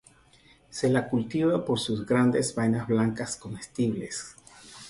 Se la cultiva por sus grandes vainas blancas comestibles.